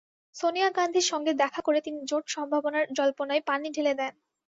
সোনিয়া গান্ধীর সঙ্গে দেখা করে তিনি জোট সম্ভাবনার জল্পনায় পানি ঢেলে দেন।